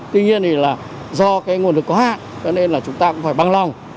tuy nhiên thì là do cái nguồn lực có hạn cho nên là chúng ta cũng phải băng lòng